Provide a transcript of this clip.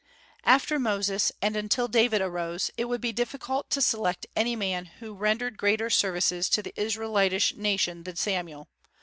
After Moses, and until David arose, it would be difficult to select any man who rendered greater services to the Israelitish nation than Samuel.